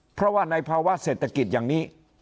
เพราะว่าในภาวะเศรษฐกิจอย่างนี้